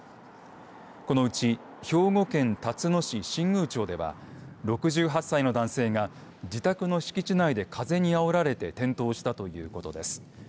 このうち兵庫県たつの市新宮町では６８歳の男性が自宅の敷地内で風にあおられて転倒したということです。